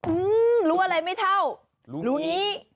อืมรู้อะไรไม่เท่ารู้นี้